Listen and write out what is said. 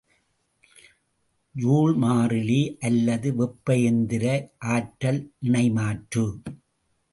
Joule மாறிலி அல்லது வெப்ப எந்திர ஆற்றல் இணைமாற்று.